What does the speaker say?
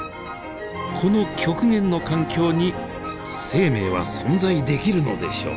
この極限の環境に生命は存在できるのでしょうか。